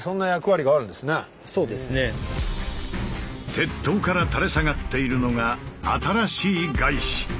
鉄塔から垂れ下がっているのが新しいガイシ。